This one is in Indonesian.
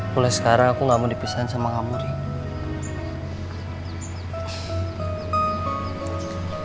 mulai sekarang aku gak mau dipisahin sama kamu rih